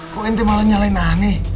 kok ente malah nyalain aneh